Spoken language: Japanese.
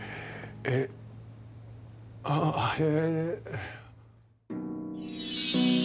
えああえ。